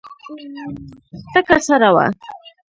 تکه سره وه.